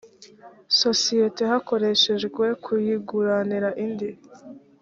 sosiyete hakorehejwe kuyiguranira indi